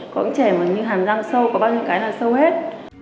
có những trẻ mà như hàm giang sâu có bao nhiêu cái là sâu hết